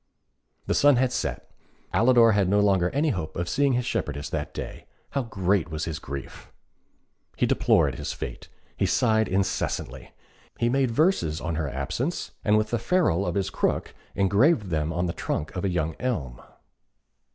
The sun had set. Alidor had no longer any hope of seeing his shepherdess that day. How great was his grief! He deplored his fate. He sighed incessantly. He made verses on her absence, and with the ferrule of his crook engraved them on the trunk of a young elm.